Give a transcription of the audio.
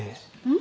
ん？